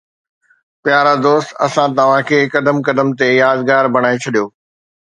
پيارا دوست، اسان توهان کي قدم قدم تي يادگار بڻائي ڇڏيو